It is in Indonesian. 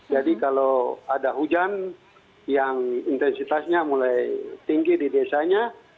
jadi kalau ada hujan yang intensitasnya mulai tinggi di desanya